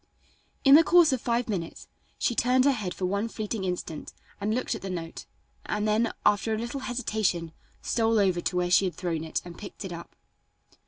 In the course of five minutes she turned her head for one fleeting instant and looked at the note, and then, after a little hesitation, stole over to where she had thrown it and picked it up.